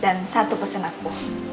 dan satu pesan aku